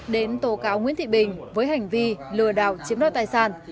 đến tố cáo nguyễn thị bình với hành vi lừa đảo chiếm đoạt tài sản